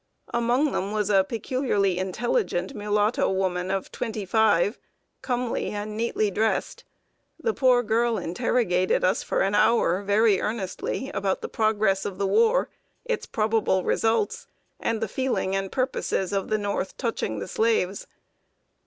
Among them was a peculiarly intelligent mulatto woman of twenty five, comely, and neatly dressed. The poor girl interrogated us for an hour very earnestly about the progress of the War, its probable results, and the feeling and purposes of the North touching the slaves.